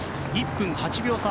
１分８秒差。